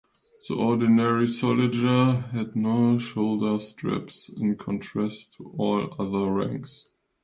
The ordinary soldier had no shoulder straps in contrast to all other ranks.